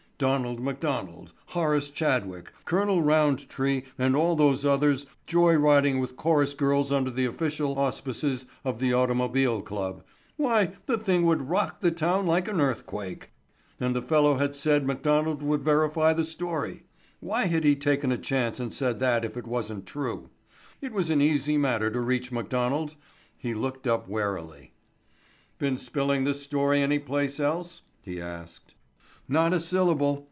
Donald McDonald, Horace Chadwick, Col. Roundtree and all those others joy riding with chorus girls under the official auspices of the Automobile Club—why, the thing would rock the town like an earthquake! And the fellow had said McDonald would verify the story. Why had he taken a chance and said that if it wasn't true? It was an easy matter to reach McDonald. He looked up warily. "Been spilling this story any place else?", he asked. "Not a syllable.